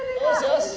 ・よし。